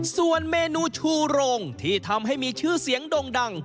ส่วนเมนูชูโรงที่ทำให้มีชื่อเสียงด่งดัง